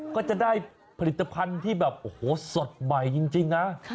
ก็จะได้ผลิตภัณฑ์ที่แบบโอ้โหสดใหม่จริงนะ